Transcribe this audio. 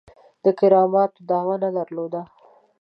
د کراماتو دعوه نه درلوده.